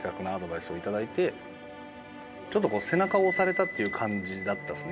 ちょっと背中を押されたっていう感じだったですね。